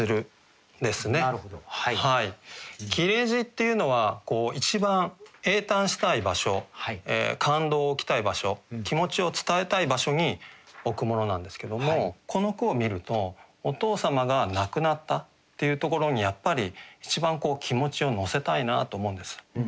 切字っていうのは一番詠嘆したい場所感動を置きたい場所気持ちを伝えたい場所に置くものなんですけどもこの句を見るとお父様が亡くなったっていうところにやっぱり一番気持ちを乗せたいなと思うんです。